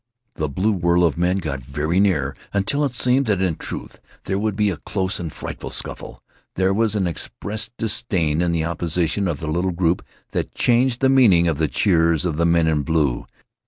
The blue whirl of men got very near, until it seemed that in truth there would be a close and frightful scuffle. There was an expressed disdain in the opposition of the little group, that changed the meaning of the cheers of the men in blue.